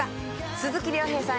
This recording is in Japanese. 鈴木亮平さん